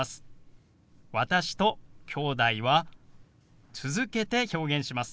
「私」と「きょうだい」は続けて表現します。